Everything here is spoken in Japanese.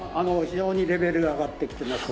非常にレベル上がってきてます。